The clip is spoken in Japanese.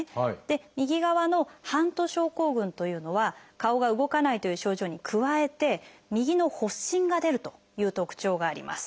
右側のハント症候群というのは顔が動かないという症状に加えて耳の発疹が出るという特徴があります。